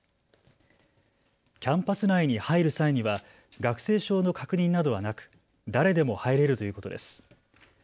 キャンパス内に入る際には学生証の確認などはなく誰でも入れるということです。